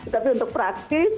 tapi untuk praktis